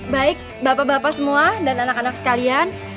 baik bapak bapak semua dan anak anak sekalian